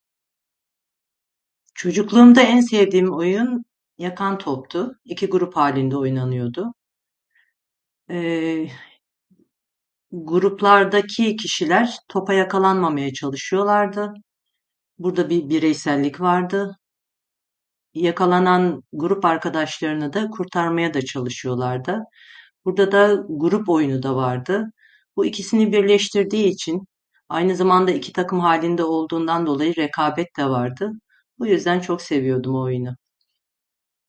Çocukluğumda en sevdiğim oyun yakan toptu. İki grup halinde oynanıyordu. Ee, gruplardaki kişiler topa yakalanmamaya çalışıyorlardı, burada bir bireysellik vardı. Yakalanan grup arkadaşlarını da kurtarmaya da çalışıyorlardı, burada da grup oyunu da vardı. Bu ikisini de birleştirdiği için, aynı zamanda iki takım halinde olduğundan dolayı rekabet de vardı. Bu yüzden çok seviyordum o oyunu.